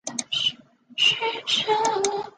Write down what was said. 海滨圣玛丽。